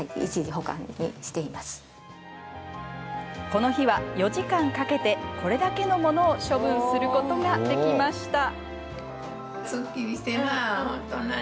この日は、４時間かけてこれだけの物を処分することができました。